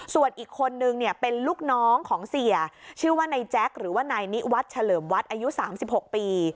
ส่วนอีกคนนึงเนี่ยเป็นลูกน้องของเสียชื่อว่านายแจ๊คหรือว่านายนิวัฒน์เฉลิมวัดอายุ๓๖ปี